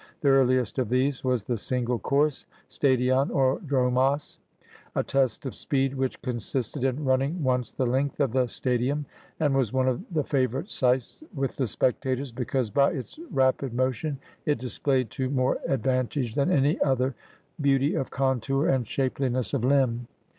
The earliest of these was the single course — stadion or dromos — a test of speed which consisted in running once the length of the stadium, and was one of the favorite sights with the spectators, because by its rapid motion it displayed to more advan tage than any other, beauty of contour and shapeliness of Hmb.